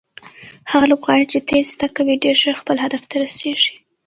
هغه لوبغاړی چې تېز تګ کوي ډېر ژر خپل هدف ته رسیږي.